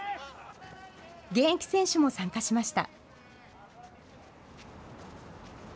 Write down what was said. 現役選手も参加しました。